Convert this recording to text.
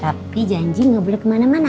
tapi janji gak boleh kemana mana